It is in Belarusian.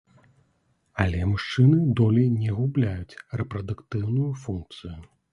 Але мужчыны долей не губляюць рэпрадуктыўную функцыю.